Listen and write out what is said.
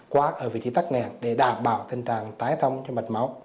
qua ở vị trí tắc mặt văn để đảm bảo tình trạng tái thông cho mặt mẫu